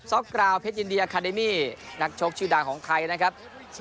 ็อกกราวเพชรยินดีอาคาเดมี่นักชกชื่อดังของไทยนะครับ